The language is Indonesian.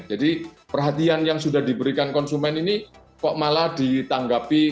jadi perhatian yang sudah diberikan konsumen ini kok malah ditanggapi